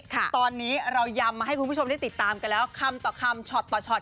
ตอนนี้เรายำมาให้คุณผู้ชมได้ติดตามกันแล้วคำต่อคำช็อตต่อช็อต